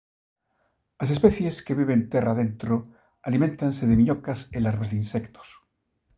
As especies que viven terra adentro aliméntanse de miñocas e larvas de insectos.